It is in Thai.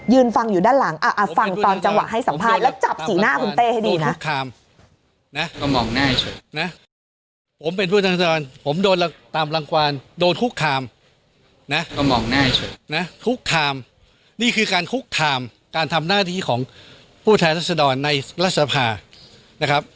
ยืนฟังอยู่ด้านหลังอ่ะอ่ะฟังตอนจังหวะให้สัมภาษณ์